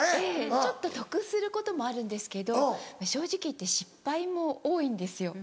ちょっと得することもあるんですけど正直言って失敗も多いんですよ。